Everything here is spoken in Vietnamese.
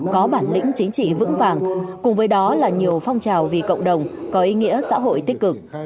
có bản lĩnh chính trị vững vàng cùng với đó là nhiều phong trào vì cộng đồng có ý nghĩa xã hội tích cực